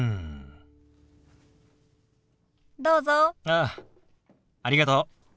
ああありがとう。